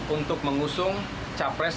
untuk mengusung capres